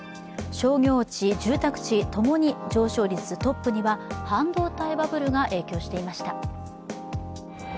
商業地、住宅地ともに上昇率トップには半導体バブルが影響していました。